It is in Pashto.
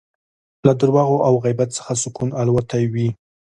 له درواغو او غیبت څخه سکون الوتی وي